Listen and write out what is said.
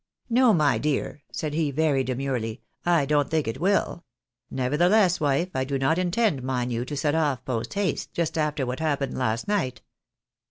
" No, my dear," said he, very demurely, " I don't think it wiU. Nevertheless, wife, I do not intend, mind you, to set off post haste, just after what happened last night.